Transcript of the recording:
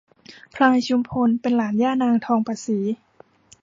พลายชุมพลเป็นหลานย่านางทองประศรี